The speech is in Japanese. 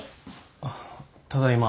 あっただいま。